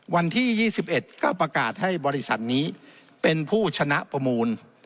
วันที่๒๑ก็ประกาศให้บริษัทนี้เป็นผู้ชนะประมูล